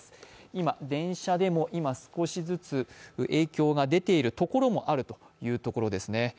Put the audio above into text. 今、電車でも少しずつ影響が出ているところもあるということです。